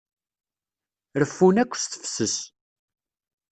Reffun akk s tefses.